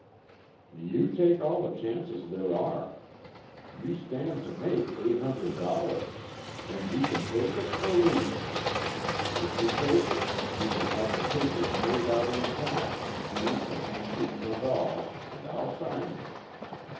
"You take all the chances there are. You stand to make eight hundred dollars, and you can take it or leave it! If you take it you can have the papers made out in town, deed and receipt and all, and I'll sign them.